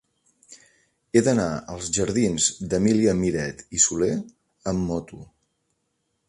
He d'anar als jardins d'Emília Miret i Soler amb moto.